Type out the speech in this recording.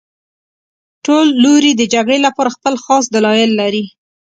ټول لوري د جګړې لپاره خپل خاص دلایل لري